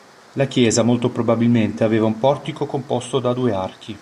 La chiesa molto probabilmente aveva un portico composto da due archi.